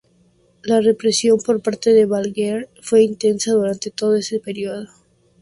La represión por parte de Balaguer fue intensa durante todo ese período.